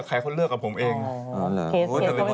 แคนชี่มันใส่อะไรบน